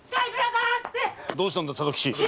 どうしたんだ佐渡吉？